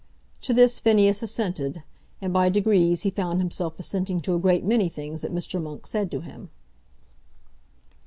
To this Phineas assented, and by degrees he found himself assenting to a great many things that Mr. Monk said to him.